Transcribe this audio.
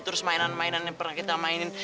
terus mainan mainan yang pernah kita mainin